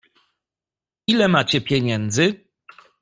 "Ile macie pieniędzy?"